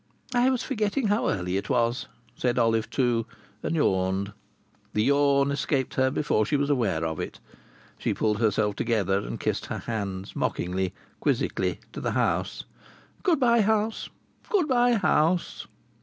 "I was forgetting how early it was!" said Olive Two, and yawned. The yawn escaped her before she was aware of it. She pulled herself together and kissed her hands mockingly, quizzically, to the house. "Good bye, house! Good bye, house!"